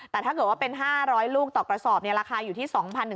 แต่ถ้าเกิดว่าเป็น๕๐๐ลูกต่อกระสอบราคาอยู่ที่๒๑๐๐